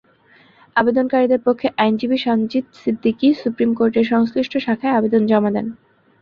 আবেদনকারীদের পক্ষে আইনজীবী সানজিদ সিদ্দিকী সুপ্রিম কোর্টের সংশ্লিষ্ট শাখায় আবেদন জমা দেন।